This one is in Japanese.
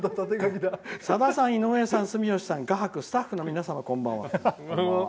「さださん、井上さん、住吉さん画伯スタッフの皆さん、こんばんは。